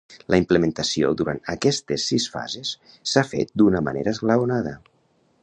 La implementació durant aquestes sis fases s’ha fet d’una manera esglaonada.